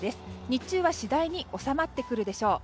日中は次第に収まってくるでしょう。